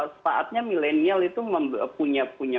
sepaatnya milenial itu mempunyai